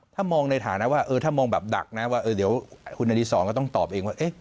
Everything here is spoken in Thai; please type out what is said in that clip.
ถ้ามองในฐานะว่าถ้ามองแบบดักนะว่าเดี๋ยวคุณอดีศรก็ต้องตอบเองว่า